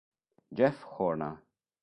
Jeff Horner